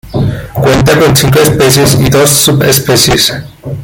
Cuenta con cinco especies y dos subespecies.